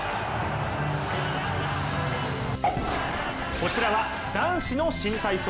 こちらは男子の新体操。